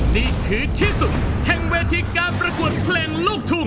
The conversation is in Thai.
นี่คือที่สุดแห่งเวทีการประกวดเพลงลูกทุ่ง